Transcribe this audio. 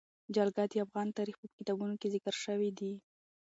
جلګه د افغان تاریخ په کتابونو کې ذکر شوی دي.